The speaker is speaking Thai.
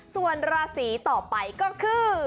ส่วนราศีต่อไปก็คือ